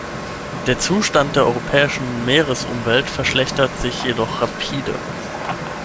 Der Zustand der europäischen Meeresumwelt verschlechtert sich jedoch rapide.